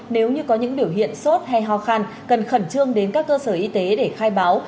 nếu như có những biểu hiện sốt hay ho khan cần khẩn trương đến các cơ sở y tế để khai báo